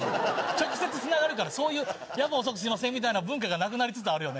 直接つながるからそういう夜分遅くすみませんみたいな文化がなくなりつつあるよね。